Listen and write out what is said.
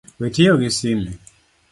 We tiyo gi sime